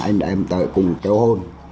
anh em tới cùng tiêu hôn